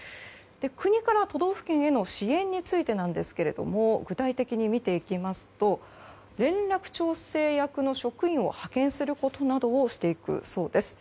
国から都道府県への支援についてなんですが具体的に見ていきますと連絡調整役の職員を派遣することなどをしていくそうです。